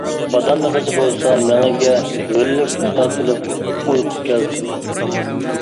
بادام مېغىزى بولسا مېڭىگە ھۆللۈك پەيدا قىلىپ ئۇيقۇ كەلتۈرىدۇ.